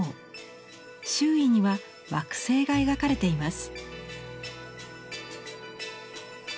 周囲には惑星が描かれています。